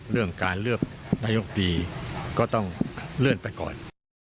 เรื่องการเลือกนายกดีก็ต้องเลื่อนไปก่อน